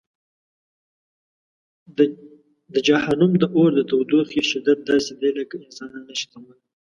د جهنم د اور د تودوخې شدت داسې دی چې انسانان نه شي زغملی.